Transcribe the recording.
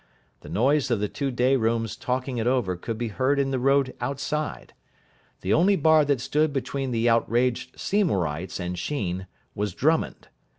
The noise of the two day rooms talking it over could be heard in the road outside. The only bar that stood between the outraged Seymourites and Sheen was Drummond.